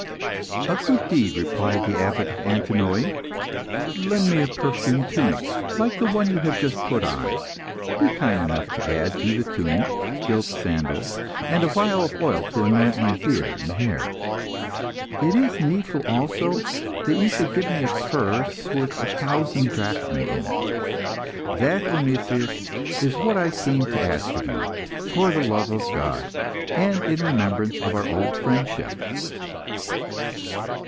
"A good deed," replied the Abbot of Antinoe. "Lend me a perfumed tunic, like the one you have just put on. Be kind enough to add to the tunic, gilt sandals, and a vial of oil to anoint my beard and hair. It is needful also, that you should give me a purse with a thousand drachmae in it. That, O Nicias, is what I came to ask of you, for the love of God, and in remembrance of our old friendship."